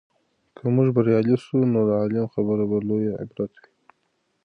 که موږ بریالي سو، نو د علم خبره به لوي عبرت وي.